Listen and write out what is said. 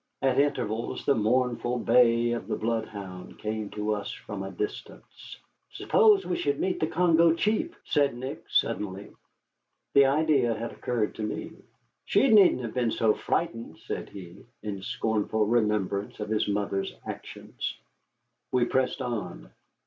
At intervals the mournful bay of a bloodhound came to us from a distance. "Suppose we should meet the Congo chief," said Nick, suddenly. The idea had occurred to me. "She needn't have been so frightened," said he, in scornful remembrance of his mother's actions. We pressed on.